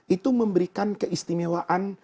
itu memberikan keistimewaan